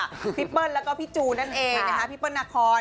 พี่เปิ้ลแล้วก็พี่จูนนั่นเองนะคะพี่เปิ้ลนาคอน